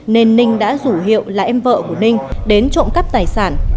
nên ninh đã rủ hiệu là em vợ của ninh đến trộm cắp tài sản